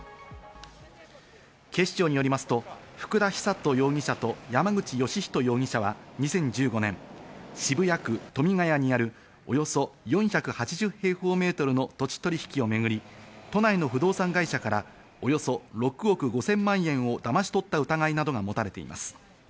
警視庁によりますと、福田尚人容疑者と山口芳仁容疑者は２０１５年、渋谷区富ヶ谷にある、およそ４８０平方メートルの土地取引をめぐり、都内の不動産会社からおよそ６億５０００万円をだまし取った疑いなどが持たれています。